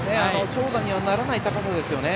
長打にはならない高さですよね。